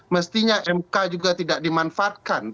mestinya mk juga tidak dimanfaatkan